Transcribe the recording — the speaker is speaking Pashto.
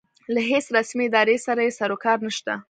له هېڅ رسمې ادارې سره یې سروکار نشته.